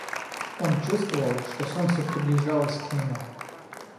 Он чувствовал, что солнце приближалось к нему.